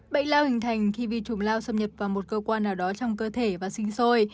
bệnh lao hình thành khi vi trùng lao xâm nhập vào một cơ quan nào đó trong cơ thể và sinh sôi